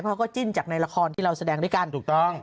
เขาก็จิ้นจากในละครที่เราแสดงด้วยกันถูกต้อง